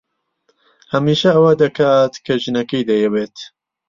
هەمیشە ئەوە دەکات کە ژنەکەی دەیەوێت.